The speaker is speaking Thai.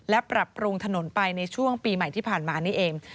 และปรับปรุงถนนไปในช่วงปีใหม่ที่ผ่านมานี่เอง